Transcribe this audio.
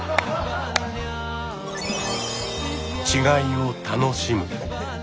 「違いを楽しむ」